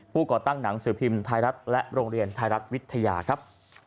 ก่อตั้งหนังสือพิมพ์ไทยรัฐและโรงเรียนไทยรัฐวิทยาครับ